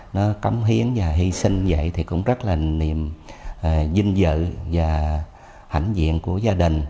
nó cống hiến và hy sinh vậy thì cũng rất là niềm vinh dự và hãnh diện của gia đình